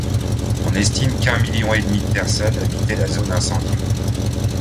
On estime qu'un million et demi de personnes habitaient la zone incendiée.